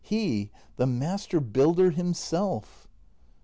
He — the master builder himself!